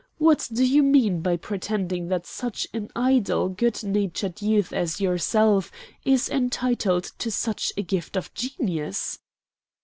What do you mean by pretending that such an idle good natured youth as yourself is entitled to such a gift of genius?"